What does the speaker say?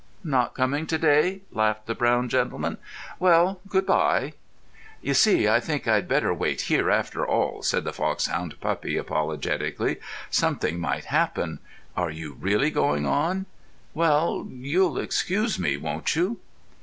"Not coming to day?" laughed the brown gentleman. "Well, good bye." "You see, I think I'd better wait here, after all," said the foxhound puppy apologetically. "Something might happen. Are you really going on? Well—you'll excuse me, won't you?"